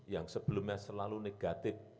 yang sebelumnya selalu negatif